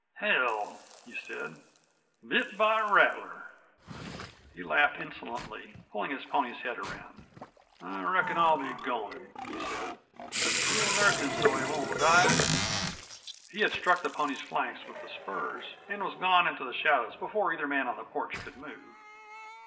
"Hell!" he said; "bit by a rattler!" He laughed insolently, pulling his pony's head around. "I reckon I'll be goin'," he said. "You'll nurse him so's he won't die?" He had struck the pony's flanks with the spurs and was gone into the shadows before either man on the porch could move.